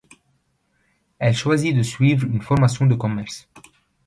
Elle choisit de suivre une formation de commerce.